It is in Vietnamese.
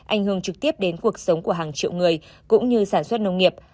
ảnh hưởng trực tiếp đến cuộc sống của hàng triệu người cũng như sản xuất nông nghiệp